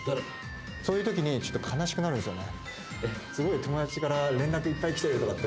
そういうときにちょっと悲しくなるんすよね。